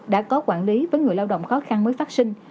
đã có quản lý với người lao động khó khăn mới phát sinh